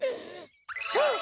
そう！